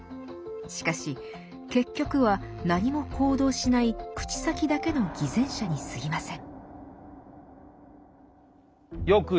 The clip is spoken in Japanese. しかし結局は何も行動しない口先だけの偽善者にすぎません。